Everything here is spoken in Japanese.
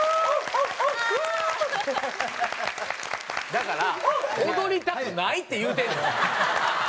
だから踊りたくないって言うてるのよ。